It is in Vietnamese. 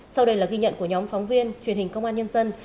sau đây là ghi nhận của nhóm phóng viên truyền hình công an nhân dân